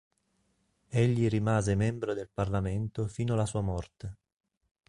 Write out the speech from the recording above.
Egli rimase membro del Parlamento fino alla sua morte.